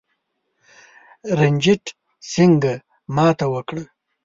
رنجیټ سینګه ماته وکړه.